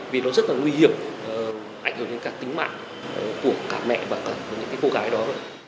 vì nó rất là nguy hiểm ảnh hưởng đến cả tính mạng của cả mẹ và cả những cô gái đó